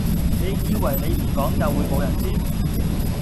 你以為你唔講就冇人會知？